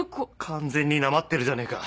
完全になまってるじゃねえか！